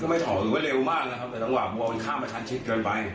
ก็ไม่ถอดดูว่าเร็วมากนะครับแต่ตั้งหว่าวัวมันข้ามมาชั้นชิดเกินไป